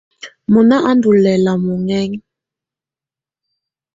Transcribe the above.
Mɔná á ndɔ lɛ́la mɔŋɛŋa.